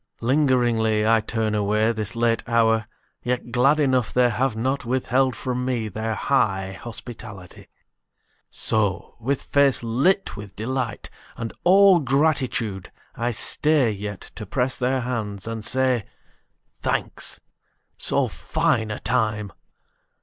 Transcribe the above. Lingeringly I turn away, This late hour, yet glad enough They have not withheld from me Their high hospitality. So, with face lit with delight And all gratitude, I stay Yet to press their hands and say, "Thanks. So fine a time